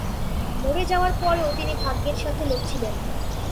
মরে যাওয়ার পরেও, তিনি ভাগ্যের সাথে লড়ছিলেন।